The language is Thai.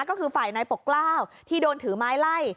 ก็คือฝ่ายนายปกกล้าวที่โดนถือไม้ไล่